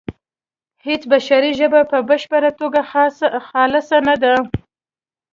هیڅ بشري ژبه په بشپړه توګه خالصه نه ده